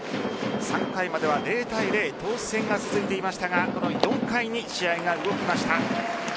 ３回までは０対０投手戦が続いていましたがこの４回に試合が動きました。